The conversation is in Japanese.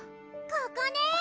ここね！